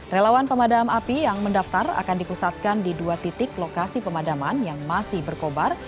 relawan pemadam api yang mendaftar akan dipusatkan di dua titik lokasi pemadaman yang masih berkobar